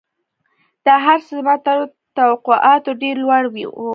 دا هرڅه زما تر توقعاتو ډېر لوړ وو